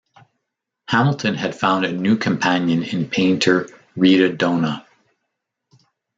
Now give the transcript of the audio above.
Hamilton had found a new companion in painter Rita Donagh.